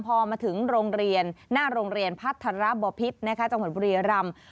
พอมาถึงโรงเรียนหน้าโรงเรียนพัฒระบพิษจังหวัดบุรียรำ